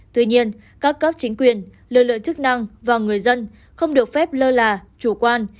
tuy nhiên các cấp chính quyền lực lượng chức năng và người dân không được phép lơ là chủ quan